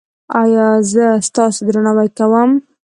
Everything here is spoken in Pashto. ایا زه ستاسو درناوی کوم؟